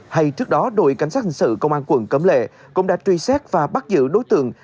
hay trước đó đội cảnh sát hình sự công an quận cấm lệ cũng đã truy xét và bắt giữ đối tượng